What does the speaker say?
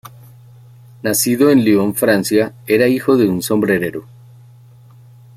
Nacido en Lyon, Francia, era hijo de un sombrerero.